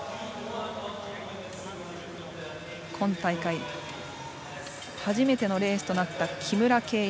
今大会初めてのレースとなった木村敬一。